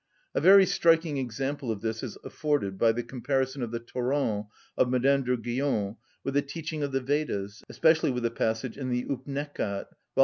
A very striking example of this is afforded by the comparison of the Torrens of Madame de Guion with the teaching of the Vedas, especially with the passage in the Oupnekhat, vol.